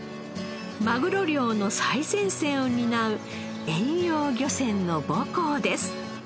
マグロ漁の最前線を担う遠洋漁船の母港です。